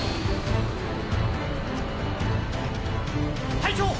隊長！